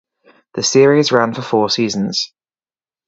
The series ran for four seasons.